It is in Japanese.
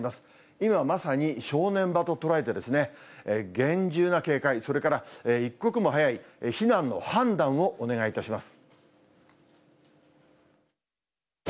今まさに正念場と捉えて、厳重な警戒、それから一刻も早い避難の判断をお願いいたします。